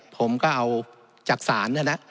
ผมก็เอาจากศาลแล้วนะ